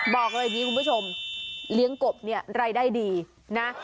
บอกเลยอย่างนี้คุณผู้ชมเลี้ยงกบเนี่ยรายได้ดีนะ